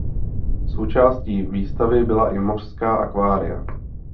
Součástí výstavy byla i mořská akvária.